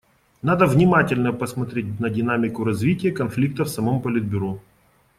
Надо внимательно посмотреть на динамику развития конфликта в самом Политбюро.